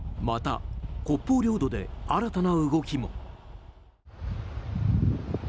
また北方領土で新たな動きも。